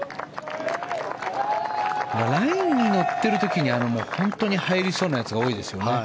ラインに乗ってる時に本当に入りそうなやつが多いですよね。